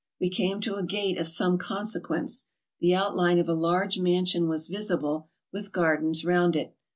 We came to a gate of some consequence. The outline of a large mansion was visible, with gardens round it.